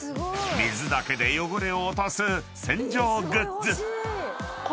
［水だけで汚れを落とす洗浄グッズ］